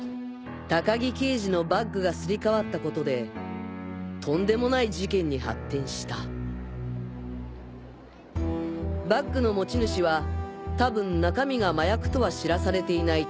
高木刑事のバッグがすり替わったことでとんでもない事件に発展したバッグの持ち主は多分中身が麻薬とは知らされていない